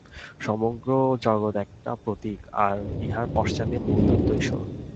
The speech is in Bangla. সমগ্র জগৎ একটি প্রতীক, আর ইহার পশ্চাতে মূলতত্ত্ব ঈশ্বর।